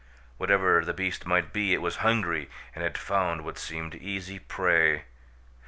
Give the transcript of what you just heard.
Whatever the beast might be, it was hungry and had found what seemed easy prey.